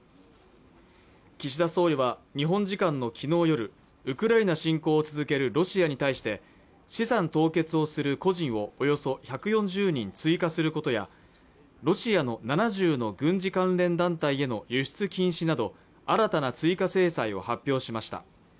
岸田総理は日本時間の昨日夜ウクライナ侵攻を続けるロシアに対して資産凍結をする個人をおよそ１４０人追加することやロシアの７０の軍事関連団体への輸出禁止など新たな追加制裁を発表しました